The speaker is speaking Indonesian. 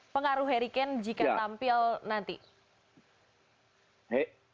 pengaruh harry kane jika tampil nanti